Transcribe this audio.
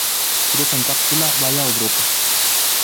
Frutos en cápsula, baya o drupa.